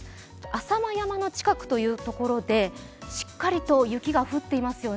浅間山の近くというところでしっかりと雪が降っていますよね。